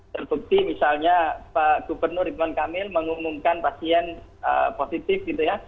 terbukti misalnya pak gubernur ridwan kamil mengumumkan pasien positif gitu ya